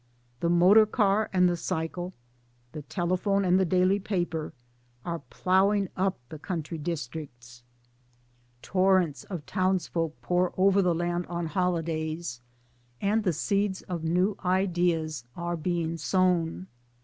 The motor car and the cycle, the telephone and the daily paper, are ploughing up the country districts, torrents of 12S6 MY DAYS AND DREAMS townsfolk pour over the land on holidays, and seeds of new ideas are being! sown.